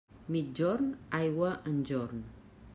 Migjorn, aigua enjorn.